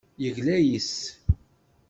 Yegla yes-s.